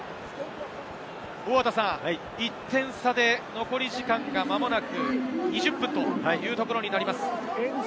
１点差で、残り時間、間もなく２０分というところになります。